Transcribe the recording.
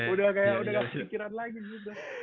udah kayak gak kepikiran lagi gitu